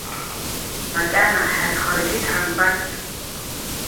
Макьана ҳазхарагьы дҳамбацт.